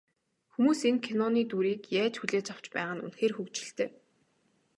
Хүмүүс энэ киноны дүрийг яаж хүлээж авч байгаа нь үнэхээр хөгжилтэй.